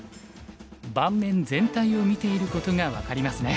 盤面全体を見ていることが分かりますね。